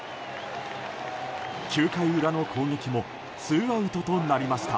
９回裏の攻撃もツーアウトとなりました。